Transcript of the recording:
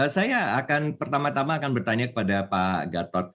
saya akan pertama tama akan bertanya kepada pak gatot